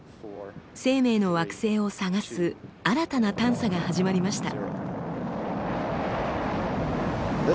生命の惑星を探す新たな探査が始まりました。